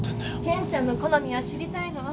健ちゃんの好みを知りたいの。